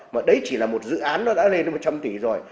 mà đấy chỉ là một dự án nó đã lên đến một trăm linh tỷ rồi